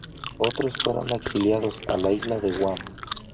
Otros fueron exiliados a la isla de Guam.